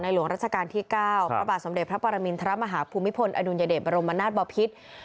หลวงราชการที่๙พระบาทสมเด็จพระปรมินทรมาฮภูมิพลอดุลยเดชบรมนาศบอพิษ